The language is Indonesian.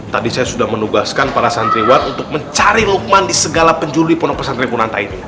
tadi saya sudah menugaskan para santriwan untuk mencari lukman di segala penjuru di pondok pesantren bunanta ini